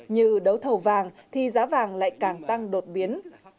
như đấu thầu vàng thì giá vàng lại càng tăng đột biến